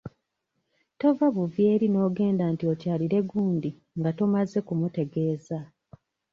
Tova buvi eri n'ogenda nti okyalire gundi nga tomaze kumutegeeza.